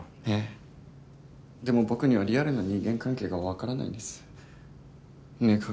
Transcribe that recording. ええでも僕にはリアルな人間関係が分からないんですね